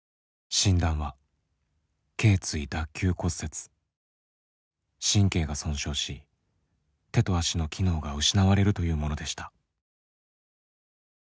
診断は神経が損傷し手と足の機能が失われるというものでした。